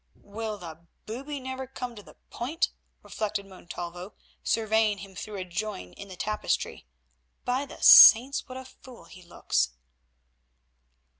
"Will the booby never come to the point?" reflected Montalvo, surveying him through a join in the tapestry. "By the Saints, what a fool he looks!"